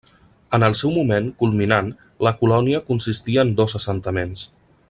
En el seu moment culminant la colònia consistia en dos assentaments.